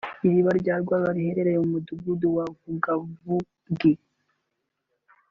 Iriba rya Rwarura riherereye mu mudugudu wa Vugavugi